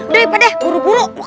sapd buruk bonnegu bunge